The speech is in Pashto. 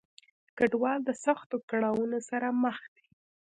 کډوال د سختو کړاونو سره مخ دي.